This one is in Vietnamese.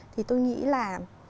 thì tôi nghĩ là